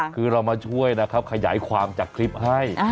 คือเรามาช่วยนะครับขยายความจากคลิปให้